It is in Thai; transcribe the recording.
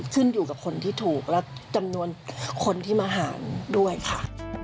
ขึ้นอยู่กับคนที่ถูกและจำนวนคนที่มาหารด้วยค่ะ